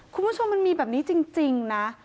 คุณผู้ชมมันมีแบบนี้จริงนะ